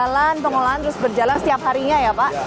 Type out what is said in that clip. jalan pengolahan terus berjalan setiap harinya ya pak